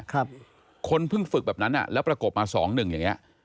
คนเพิ่งฝึกแบบนั้นอ่ะแล้วประกบมาสองหนึ่งอย่างเงี้ย